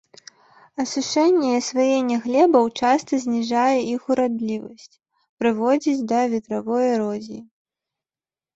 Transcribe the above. Асушэнне і асваенне глебаў часта зніжае іх урадлівасць, прыводзіць да ветравой эрозіі.